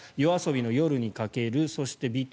ＹＯＡＳＯＢＩの「夜に駆ける」